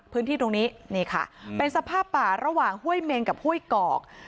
พื้นที่ตรงนี้นี่ค่ะเป็นสภาพป่าระหว่างห้วยเมงกับห้วยกอก